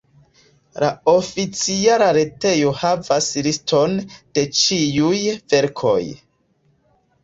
La oficiala retejo havas liston de ĉiuj verkoj.